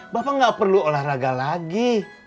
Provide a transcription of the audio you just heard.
bapak nggak perlu olahraga lagi